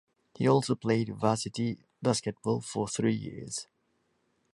He also played varsity basketball for three years.